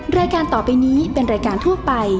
รายการต่อไปนี้เป็นรายการทั่วไป